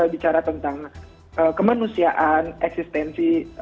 bicara tentang kemanusiaan eksistensi